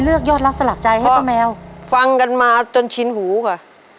เพราะฟังกันมาจนชินหูค่ะ